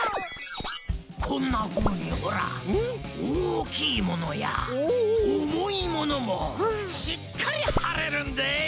こんなふうにほらおおきいものやおもいものもしっかりはれるんでえ！